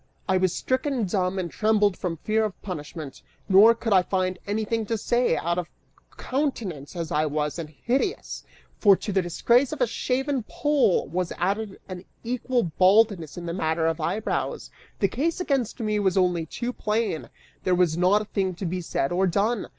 I was stricken dumb, and trembled from fear of punishment, nor could I find anything to say, out of countenance as I was and hideous, for to the disgrace of a shaven poll was added an equal baldness in the matter of eyebrows; the case against me was only too plain, there was not a thing to be said or done!